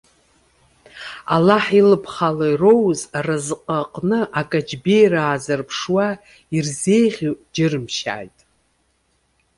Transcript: Аллаҳ илԥха ала ироуз аразҟы аҟны акаҷбеира аазрыԥшуа, ирзеиӷьу џьырымшьааит.